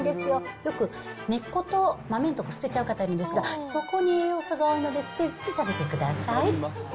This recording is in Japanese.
よく根っこと豆とのとこ捨てちゃう方いますが、そこに栄養素があるので、捨てずに食べてください。